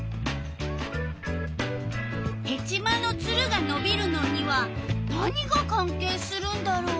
ヘチマのツルがのびるのには何が関係するんだろう？